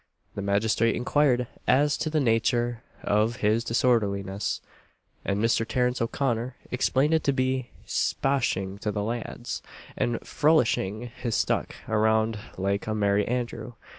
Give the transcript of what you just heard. The magistrate inquired as to the nature of his disorderliness, and Mr. Terence O'Connor explained it to be "spaching to the lads, and frullishing his stick about like a merry Andrew."